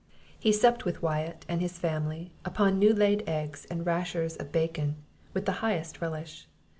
He supped with Wyatt and his family upon new laid eggs and rashers of bacon, with the highest relish.